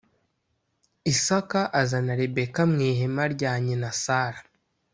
Isaka azana Rebeka mu ihema rya nyina Sara